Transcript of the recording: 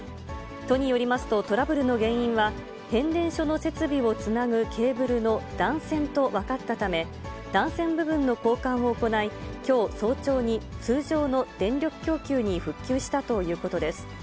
都によりますと、トラブルの原因は、変電所の設備をつなぐケーブルの断線と分かったため、断線部分の交換を行い、きょう早朝に通常の電力供給に復旧したということです。